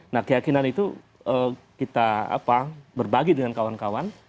nah keyakinan itu kita berbagi dengan kawan kawan